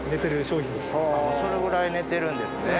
それぐらい寝てるんですね。